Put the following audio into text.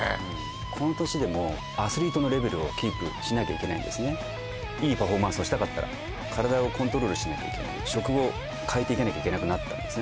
この年でもアスリートのレベルをキープしなきゃいけないんですねいいパフォーマンスをしたかったら体をコントロールしなきゃいけない食を変えていかなきゃいけなくなったんですね